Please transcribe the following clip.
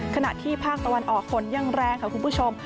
ขณะที่ภาคตะวันออกฝนยังแรงค่ะคุณผู้ชม